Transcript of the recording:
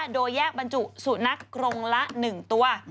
โดยแยกบรรจุสุนัขกรงละ๑ตัว